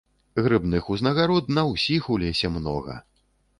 Грыбных узнагарод на ўсіх у лесе многа.